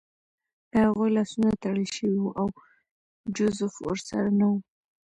د هغوی لاسونه تړل شوي وو او جوزف ورسره نه و